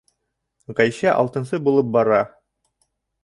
Ғәйшә алтынсы булып бара.